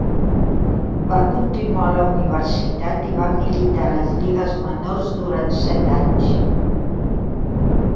Va continuar a la universitat i va militar a les lligues menors durant set anys.